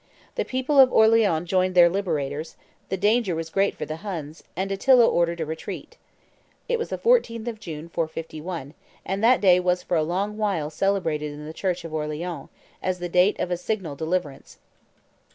The people of Orleans joined their liberators; the danger was great for the Huns, and Attila ordered a retreat. It was the 14th of June, 451, and that day was for a long while celebrated in the church of Orleans, as the date of a signal deliverance.